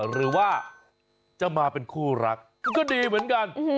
หรือว่าจะมาเป็นคู่รักก็ดีเหมือนกัน